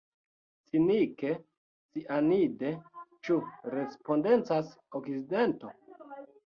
Cinike cianide – ĉu respondecas Okcidento?